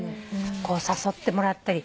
こうさすってもらったり。